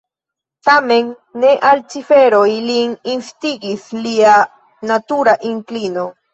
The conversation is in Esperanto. Tamen ne al ciferoj lin instigis lia natura inklino.